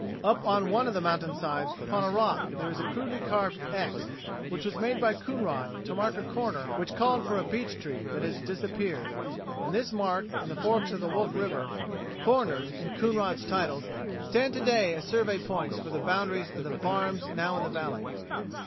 Up on one of the mountainsides upon a rock there is a crudely carved "X" which was made by Coonrod to mark a corner which called for a "beech tree" that has disappeared, and this mark and the forks of Wolf River, corners in Coonrod's titles, stand to day as survey points for the boundaries of the farms now in the valley.